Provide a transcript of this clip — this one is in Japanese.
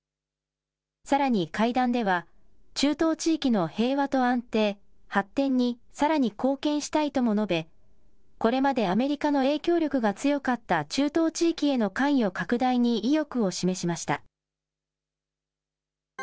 さらに会談では、中東地域の平和と安定、発展に、さらに貢献したいとも述べ、これまでアメリカの影響力が強かった中東地域への関与拡大に意欲を示しました。